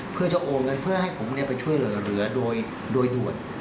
เพื่อจะโอนเงินเพื่อให้ผมไปช่วยเหลือโดยด่วน